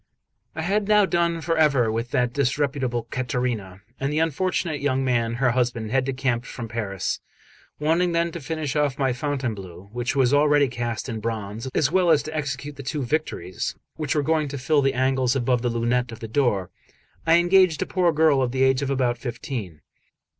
I had now done for ever with that disreputable Caterina, and the unfortunate young man, her husband, had decamped from Paris. Wanting then to finish off my Fontainebleau, which was already cast in bronze, as well as to execute the two Victories which were going to fill the angles above the lunette of the door, I engaged a poor girl of the age of about fifteen.